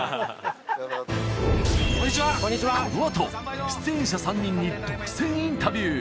このあと出演者３人に独占インタビュー！